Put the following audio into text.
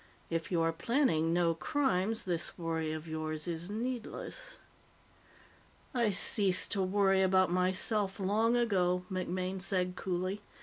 If you are planning no crimes, this worry of yours is needless." "I ceased to worry about myself long ago," MacMaine said coolly.